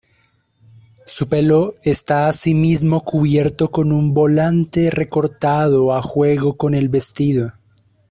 Su pelo está asimismo cubierto con un volante recortado a juego con el vestido.